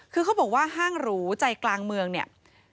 คือเขาบอกว่าห้างหรูใจกลางเมืองเนี่ย